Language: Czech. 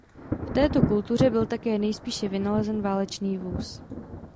V této kultuře byl také nejspíše vynalezen válečný vůz.